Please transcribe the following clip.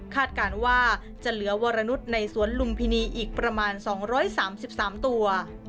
การว่าจะเหลือวรนุษย์ในสวนลุมพินีอีกประมาณ๒๓๓ตัว